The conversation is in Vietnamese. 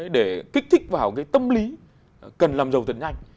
để kích thích vào cái tâm lý cần làm giàu thật nhanh